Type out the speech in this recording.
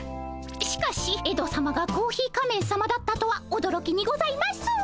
しかしエドさまがコーヒー仮面さまだったとはおどろきにございます。